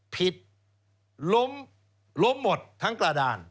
ผิดล้มล้มหมดทั้งกระดาน